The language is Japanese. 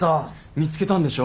見つけたんでしょ？